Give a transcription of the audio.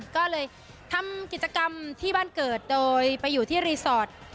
ก็เลยทำกิจกรรมที่บ้านเกิดโดยไปอยู่ที่รีสอร์ท